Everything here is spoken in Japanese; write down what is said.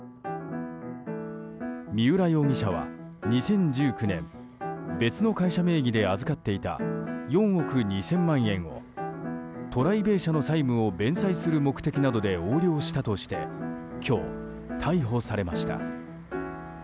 三浦容疑者は２０１９年別の会社名義で預かっていた４億２０００万円をＴＲＩＢＡＹ社の債務を弁済する目的などで横領したとして今日、逮捕されました。